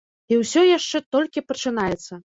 І ўсё яшчэ толькі пачынаецца.